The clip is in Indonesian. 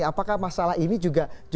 apakah masalah ini juga